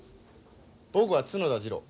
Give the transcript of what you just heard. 僕は角田次郎。